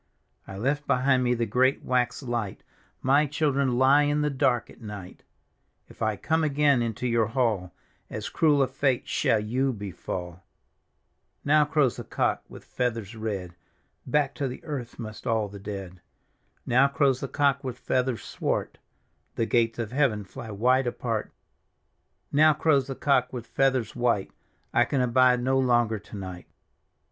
" I left behind me the great wax light; My children lie in the dark at night " If I come again into your hall, As cruel a fate ^all you befall !" Now crows the cock with feathers red, Back to the earth must all the dead. " Now crows the cock with feathers swart; The gates of heaven fly wide apart " Now crows the cock with feathers white ; I can abide no longer to night."